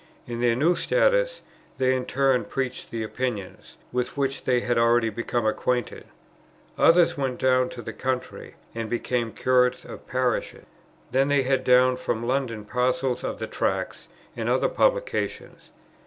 In their new status, they in turn preached the opinions, with which they had already become acquainted. Others went down to the country, and became curates of parishes. Then they had down from London parcels of the Tracts, and other publications.